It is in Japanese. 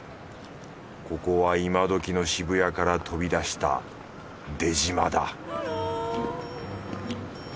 ここは今どきの渋谷から飛び出した出島だ